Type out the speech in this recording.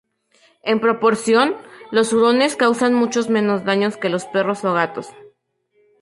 En proporción, los hurones causan muchos menos daños que los perros o gatos.